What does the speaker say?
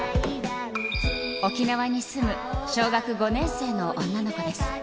沖縄に住む小学５年生の女の子です。